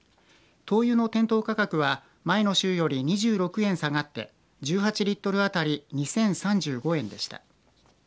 灯油の店頭価格は前の週より２６円下がって１８リットル当たり２０３５円でした。